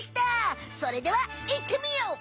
それではいってみよう！